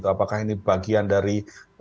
apakah ini bagian dari